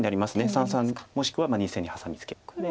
三々もしくは２線にハサミツケ。